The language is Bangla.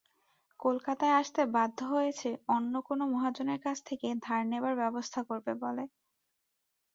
কলকাতায় আসতে বাধ্য হয়েছে অন্য কোনো মহাজনের কাছ থেকে ধার নেবার ব্যবস্থা করবে বলে।